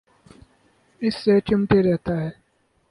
اس سے چمٹے رہتا ہے۔